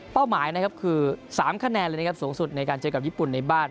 หมายนะครับคือ๓คะแนนเลยนะครับสูงสุดในการเจอกับญี่ปุ่นในบ้าน